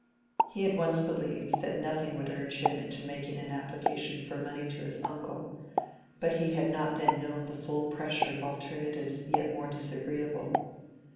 He had once believed that nothing would urge him into making an application for money to his uncle, but he had not then known the full pressure of alternatives yet more disagreeable.